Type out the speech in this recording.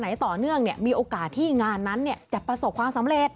ไหนต่อเนื่องเนี้ยมีโอกาสที่งานนั้นเนี้ยจะประสบความสำเร็จ